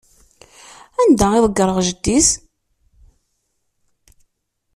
Anda i ḍeggreɣ jeddi-s?